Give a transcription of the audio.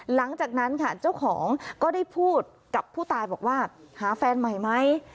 หลังจากนั้นค่ะเจ้าของก็ได้พูดกับผู้ตายบอกว่าหาแฟนใหม่ไหม